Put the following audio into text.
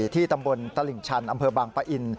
ที่ตำบลตลิ่งชันอำเภอบางปะอิน